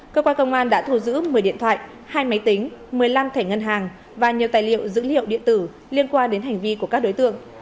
cơ quan công an đã thu giữ một mươi điện thoại hai máy tính một mươi năm thẻ ngân hàng và nhiều tài liệu dữ liệu điện tử liên quan đến hành vi của các đối tượng